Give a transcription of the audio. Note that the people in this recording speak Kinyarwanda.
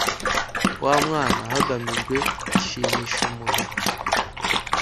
w umwana hagamijwe ishimishamubiri